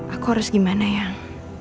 aku harus gimana yang